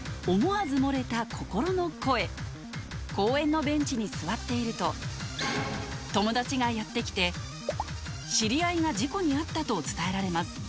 公園のベンチに座っていると友達がやって来て知り合いが事故に遭ったと伝えられます